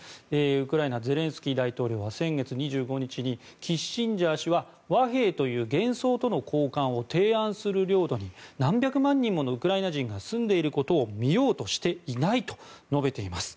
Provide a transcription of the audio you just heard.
ウクライナのゼレンスキー大統領は先月２５日にキッシンジャー氏は和平という幻想との交換を提案する領土に何百万人ものウクライナ人が住んでいることを見ようとしていないと述べています。